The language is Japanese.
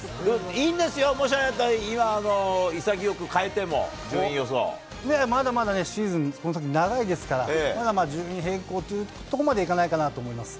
いいんですよ、もしあれだったら、今、まだまだ、シーズンこの先長いですから、順位変更というところまではいかないかなと思います。